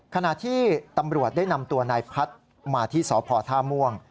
ขณะที่ตำรวจได้นำตัวนายพัฒน์มาที่สพท่าม่วง